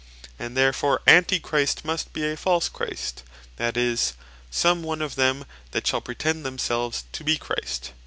And therefore Antichrist must be a False Christ, that is, some one of them that shall pretend themselves to be Christ.